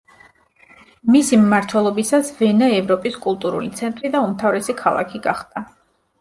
მისი მმართველობისას ვენა ევროპის კულტურული ცენტრი და უმთავრესი ქალაქი გახდა.